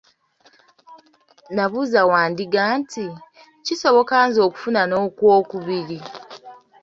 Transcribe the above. N'abuuza Wandiga nti, kisoboka nze okufuna n'okwokubiri?